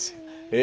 え。